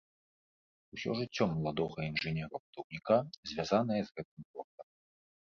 Усё жыццё маладога інжынера-будаўніка звязанае з гэтым горадам.